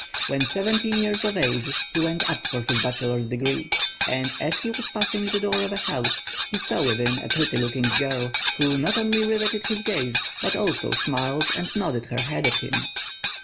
When seventeen years of age he went up for his bachelor's degree; and as he was passing the door of a house, he saw within a pretty looking girl, who not only riveted his gaze, but also smiled and nodded her head at him.